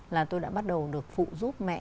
là tôi đã bắt đầu được phụ giúp mẹ